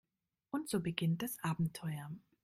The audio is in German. Und so beginnt das Abenteuer.